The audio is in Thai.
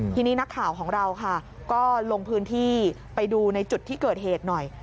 ทีนี้นักข่าวของเราค่ะก็ลงพื้นที่ไปดูในจุดที่เกิดเหตุหน่อย